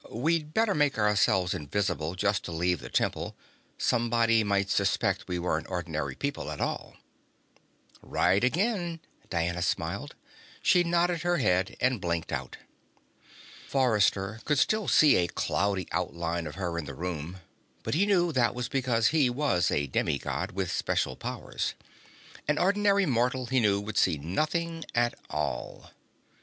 "We'd better make ourselves invisible just to leave the Temple. Somebody might suspect we weren't ordinary people at all." "Right again," Diana smiled. She nodded her head and blinked out. Forrester could still see a cloudy outline of her in the room, but he knew that was because he was a demi God, with special powers. An ordinary mortal, he knew, would see nothing at all.